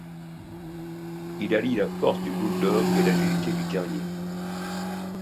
Il allie la force du Bulldog et l'agilité du terrier.